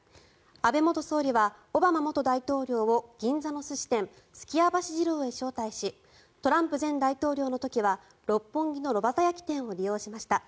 安部元総理はオバマ元大統領を銀座の寿司店すきやばし次郎へ招待しトランプ前大統領の時は六本木の炉端焼き店を利用しました。